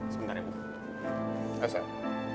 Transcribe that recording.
sebentar ya bu